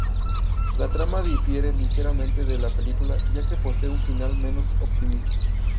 La trama difiere ligeramente de la película, ya que posee un final menos optimista.